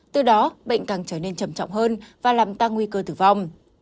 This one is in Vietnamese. từ đó bệnh càng trở nên trầm trọng hơn và làm tăng nguy cơ tử vong